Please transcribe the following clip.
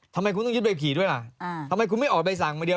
ทำไมคุณต้องยึดใบขี่ด้วยล่ะทำไมคุณไม่ออกใบสั่งมาเดียว